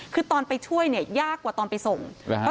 คือตอนไปช่วยเนี่ยยากกว่าตอนไปส่ง